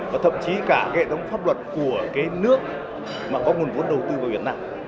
và thậm chí cả hệ thống pháp luật của cái nước mà có nguồn vốn đầu tư vào việt nam